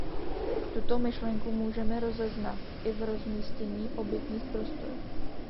Tuto myšlenku můžeme rozeznat i v rozmístění obytných prostor.